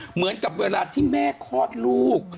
เหมือนกับเวลาที่แม่คลอดลูก